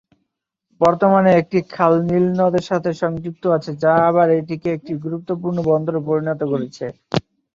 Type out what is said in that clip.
বর্তমানে, একটি খাল নীল নদের সাথে সংযুক্ত আছে, যা আবার এটিকে একটি গুরুত্বপূর্ণ বন্দরে পরিণত করেছে।